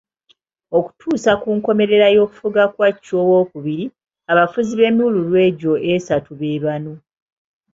Okutuusa ku nkomerera y'okufuga kwa Chwa II, abafuzi ab'emiwululu egyo esatu be bano.